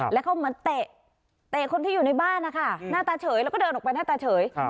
แล้วเข้ามาเตะคนที่อยู่ในบ้านนะคะหน้าตาเฉยแล้วก็เดินออกไปหน้าตาเฉย